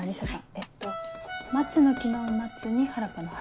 えっと松の木の「松」に原っぱの「原」。